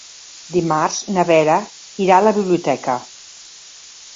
Dimarts na Vera irà a la biblioteca.